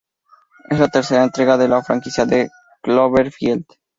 Es la tercera entrega de la franquicia de "Cloverfield".